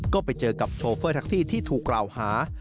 ก็ไปเจอกับโชเฟอร์แท็กซี่ที่ถูกกล่าวหา